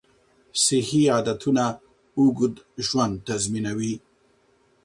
صحي عادتونه اوږد ژوند تضمینوي.